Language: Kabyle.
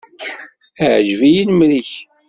Iεǧeb-iyi lemri-k.